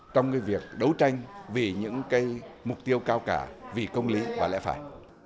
trong cái việc đấu tranh vì những mục tiêu cao cả vì công lý và lẽ phải